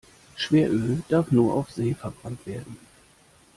Schweröl darf nur auf See verbrannt werden.